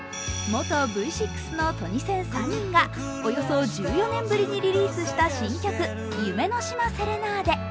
元Ｖ６のトニセン３人がおよそ１４年ぶりにリリースした新曲「夢の島セレナーデ」。